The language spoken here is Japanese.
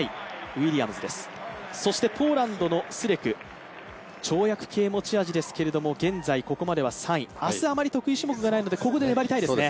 ポーランドのスレク、跳躍系が持ち味ですけれども、現在、ここまでは３位、明日あまり得意種目がないのでここで粘りたいですね。